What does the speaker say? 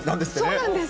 そうなんです。